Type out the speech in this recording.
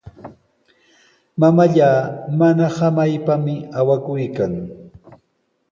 Mamallaa mana samaypami awakuykan.